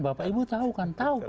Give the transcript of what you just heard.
bapak ibu tahu kan